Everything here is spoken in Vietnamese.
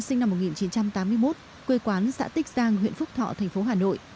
sinh năm một nghìn chín trăm tám mươi một quê quán xã tích giang huyện phúc thọ thành phố hà nội